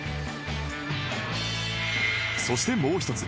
そしてもう一つ